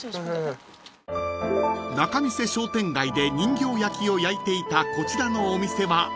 ［仲見世商店街で人形焼きを焼いていたこちらのお店は］